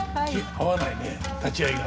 合わないね立ち合いが。